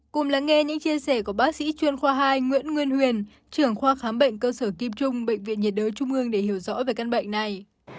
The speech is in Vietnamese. cùng lắng nghe những chia sẻ của bác sĩ chuyên khoa hai nguyễn nguyên huyền trưởng khoa khám bệnh cơ sở kim trung bệnh viện nhiệt đới trung ương để hiểu rõ về căn bệnh này